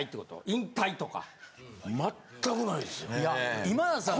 引退とか。